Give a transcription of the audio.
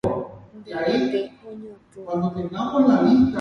Nde rete oñotỹ